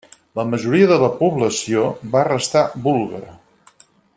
La majoria de la població va restar búlgara.